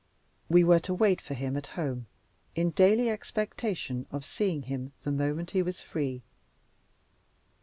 We were to wait for him at home, in daily expectation of seeing him the moment he was free.